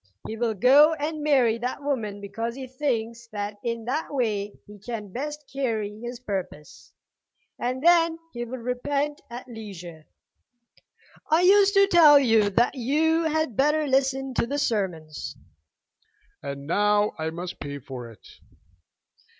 He will go and marry that woman because he thinks that in that way he can best carry his purpose, and then he will repent at leisure. I used to tell you that you had better listen to the sermons." "And now I must pay for it!"